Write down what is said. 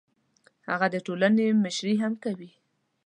هغه د ټولنې مشري هم کوي.